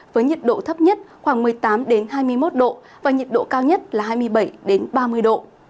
với nhiệt độ thấp nhất khoảng một mươi tám hai mươi một độ và nhiệt độ cao nhất là hai mươi bảy ba mươi độ